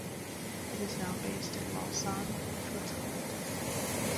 It is now based in Lausanne, Switzerland.